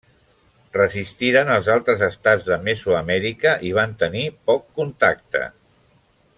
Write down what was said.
Resistiren als altres estats de Mesoamèrica i hi van tenir poc contacte.